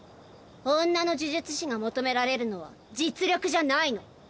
女の呪術師が求められるのは実力じゃないの。